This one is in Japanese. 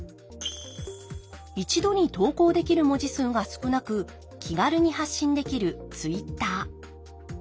一度に投稿できる文字数が少なく気軽に発信できるＴｗｉｔｔｅｒ。